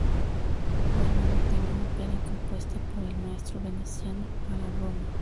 Fue la última ópera compuesta por el maestro veneciano para Roma.